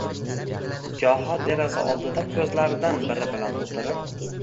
Goho deraza oldida ko'zlaridan biri bilan o'tirib